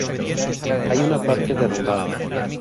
Hay una parte derrumbada.